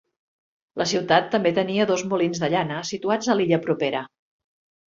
La ciutat també tenia dos molins de llana, situats a l'illa propera.